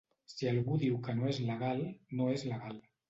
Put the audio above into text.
Si algú diu que no és legal, no és legal.